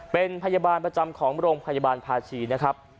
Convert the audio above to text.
เป็นพยาบาลประจำของโรงพยาบาลภาชีนะครับ